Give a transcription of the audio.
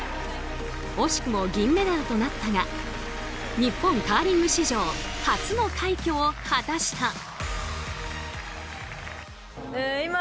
惜しくも銀メダルとなったが日本カーリング史上初の快挙を果たした。